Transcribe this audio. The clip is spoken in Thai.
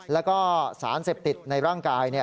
แล้วก็สารเสพติดในร่างกาย